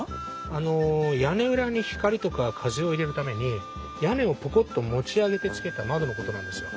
あの屋根裏に光とか風を入れるために屋根をポコッと持ち上げてつけた窓のことなんですよ。